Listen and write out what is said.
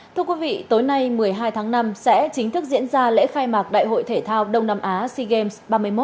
thưa quý vị tối nay một mươi hai tháng năm sẽ chính thức diễn ra lễ khai mạc đại hội thể thao đông nam á sea games ba mươi một